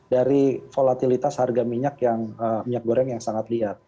dari volatilitas harga minyak goreng yang sangat lihat